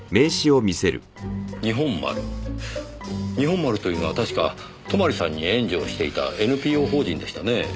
「日本丸」日本丸というのは確か泊さんに援助をしていたＮＰＯ法人でしたねぇ。